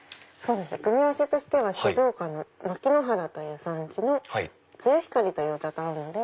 組み合わせとしては静岡の牧之原という産地のつゆひかりというお茶と合うので。